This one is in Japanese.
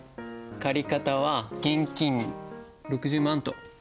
借方は現金６０万と。